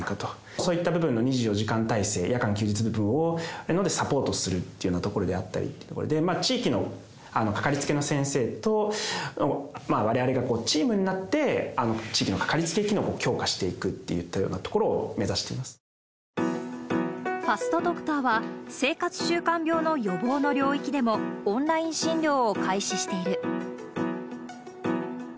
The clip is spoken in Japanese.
そういった部分の維持、２４時間態勢、夜間、休日の部分をサポートするっていうようなところであったりってところで、地域の掛かりつけの先生とわれわれがチームになって、地域の掛かりつけ機能を強化していくといったようなところを目指ファストドクターは、生活習慣病の予防の領域でも、オンライン診療を開始している。